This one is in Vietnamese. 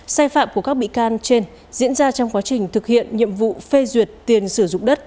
sai phạm của các bị can trên diễn ra trong quá trình thực hiện nhiệm vụ phê duyệt tiền sử dụng đất